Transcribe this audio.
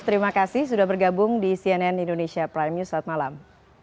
terima kasih sudah bergabung di cnn indonesia prime news saat malam